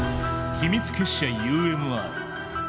秘密結社「ＵＭＲ」。